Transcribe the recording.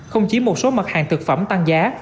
không chỉ một số mặt hàng thực phẩm tăng giá